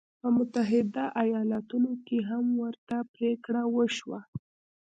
په متحده ایالتونو کې هم ورته پرېکړه وشوه.